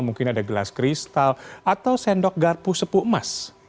mungkin ada gelas kristal atau sendok garpu sepuk emas